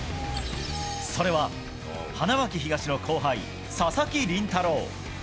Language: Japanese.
それは花巻東の後輩、佐々木麟太郎。